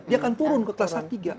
dia akan turun ke kelas tiga